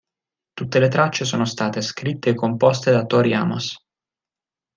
Tutte le tracce sono state scritte e composte da Tori Amos.